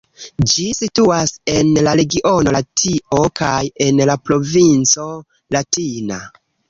Ĝi situas en la regiono Latio kaj en la provinco Latina.